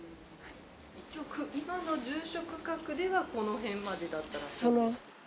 一応今の住所区画ではこの辺までだったらしい。